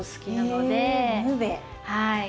はい。